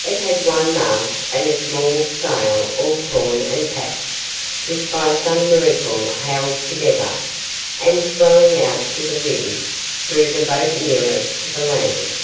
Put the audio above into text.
It had one mast and a small sail all torn and patched, which by some miracle held together, and swelling out to the wind drew the boat nearer to the land.